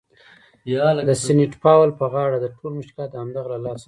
د سینټ پاول په غاړه ده، ټول مشکلات د همدغه له لاسه دي.